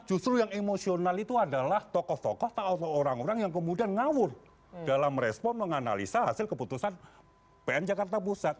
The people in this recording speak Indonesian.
justru yang emosional itu adalah tokoh tokoh atau orang orang yang kemudian ngawur dalam respon menganalisa hasil keputusan pn jakarta pusat